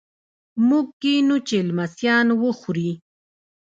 موږ کینوو چې لمسیان وخوري.